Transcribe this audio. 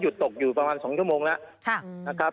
หรือถึงสัก๒ชั่วโมงนะครับ